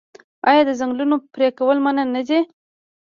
آیا د ځنګلونو پرې کول منع نه دي؟